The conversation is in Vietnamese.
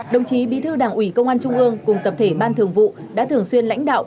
đồng chí bí thư đảng ủy công an trung ương cùng tập thể ban thường vụ đã thường xuyên lãnh đạo